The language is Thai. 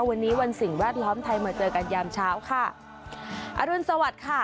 วันนี้วันสิ่งแวดล้อมไทยมาเจอกันยามเช้าค่ะอรุณสวัสดิ์ค่ะ